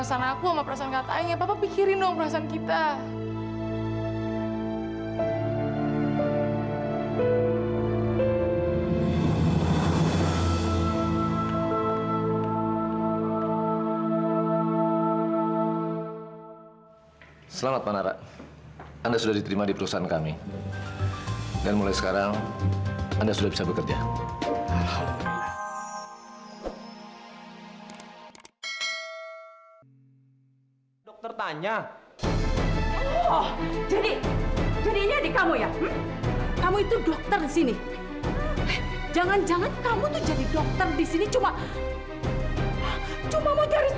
sampai jumpa di video selanjutnya